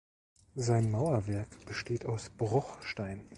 Sein Mauerwerk besteht aus Bruchstein.